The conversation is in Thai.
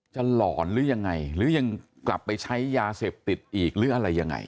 หลอนหรือยังไงหรือยังกลับไปใช้ยาเสพติดอีกหรืออะไรยังไง